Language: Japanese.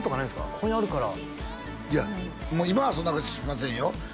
ここにあるからいや今はそんなことしませんよ